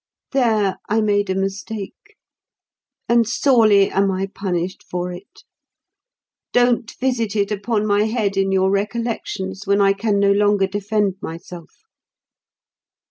There I made a mistake; and sorely am I punished for it. Don't visit it upon my head in your recollections when I can no longer defend myself.